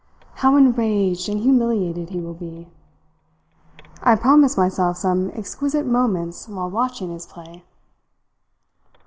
How enraged and humiliated he will be! I promise myself some exquisite moments while watching his play."